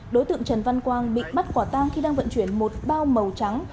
đối tượng trần văn quang bị bắt quả tang khi đang vận chuyển một bao màu trắng